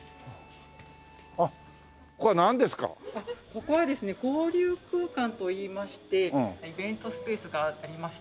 ここはですね交流空間といいましてイベントスペースがありまして。